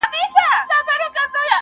و سر لره مي دار او غرغرې لرې که نه,